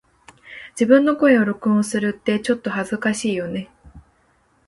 自分の声を録音するってちょっと恥ずかしいよね🫣